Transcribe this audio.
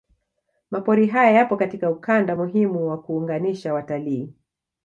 Mapori haya yapo katika ukanda muhimu wa kuunganisha watalii